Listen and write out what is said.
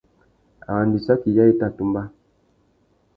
Arandissaki yâā i tà tumba.